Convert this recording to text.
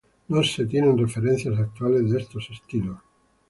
No se tienen referencias actuales de estos estilos.